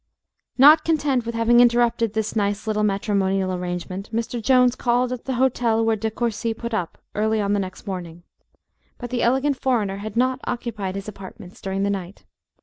Not content with having interrupted this nice little matrimonial arrangement, Mr. Jones called at the hotel where De Courci put up, early on the next morning. But the elegant foreigner had not occupied his apartments during the night.